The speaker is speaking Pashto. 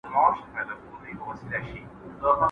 ¬ قصاب قصابي کول، يتيم ورځ ورته تېره کړه.